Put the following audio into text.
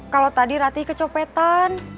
kalau tadi rati kecopetan